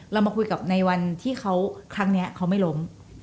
เรามาคุยกับในวันที่เขาครั้งนี้เขาไม่ล้ม